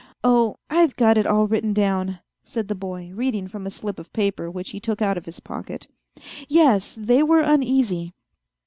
Oh, I've got it all written down," said the boy, reading from a slip of paper which he took out of his pocket. " Yes, they were uneasy."